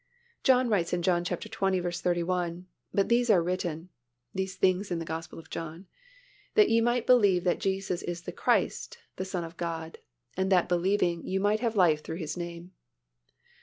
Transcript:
John writes in John xx. 31, "But these are written (these things in the Gospel of John) that ye might believe that Jesus is the Christ, the Son of God; and that believing ye might have life through His name."